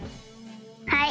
はい！